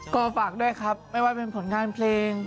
ก็ฝากด้วยครับไม่ว่าเป็นผลงานเพลง